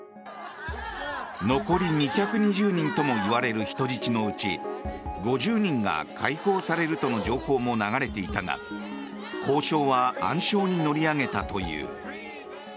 残り２２０人ともいわれる人質のうち５０人が解放されるとの情報も流れていたが交渉は暗礁に乗り上げたという。